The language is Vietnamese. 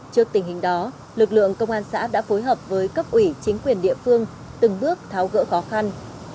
trước tình hình đó lực lượng công an xã đã phối hợp với cấp ủy chính quyền địa phương từng bước tháo gỡ khó khăn